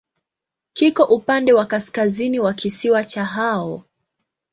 Kiko upande wa kaskazini wa kisiwa cha Hao.